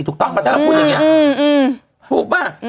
ถูกต้องประเทศเราพูดอย่างนี้